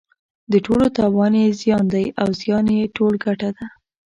د ټولو تاوان یې زیان دی او زیان یې ټول ګټه ده.